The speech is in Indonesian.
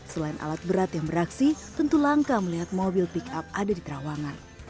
selain alat berat yang beraksi tentu langka melihat mobil pick up ada di terawangan